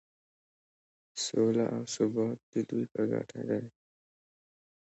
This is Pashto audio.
سوله او ثبات د دوی په ګټه دی.